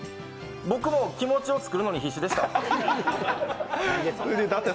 僕も気持ちを作るのに必死でした。